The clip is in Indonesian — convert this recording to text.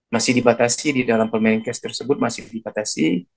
masih dibatasi di dalam permen kes tersebut masih dibatasi